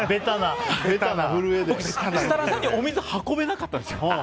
設楽さんにお水運べなかったんですよ。